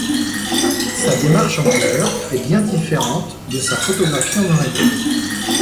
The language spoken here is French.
Sa démarche en couleur est bien différente de sa photographie en noir et blanc.